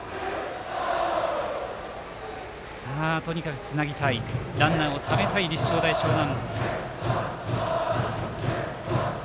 とにかくつなげたいランナーをためたい立正大淞南。